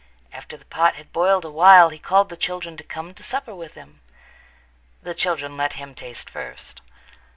After the pot had boiled a while he called the children to come to supper with him. The children let him taste first.